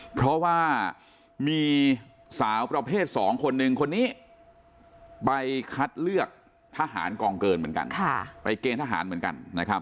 เพราะว่ามีสาวประเภทสองคนนึงคนนี้ไปคัดเลือกทหารกองเกิดเหมือนกัน